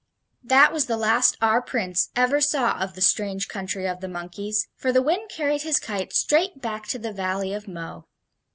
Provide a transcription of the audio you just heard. That was the last our Prince ever saw of the strange country of the monkeys, for the wind carried his kite straight back to the Valley of Mo.